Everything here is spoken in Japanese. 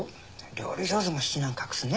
料理上手も七難隠すね。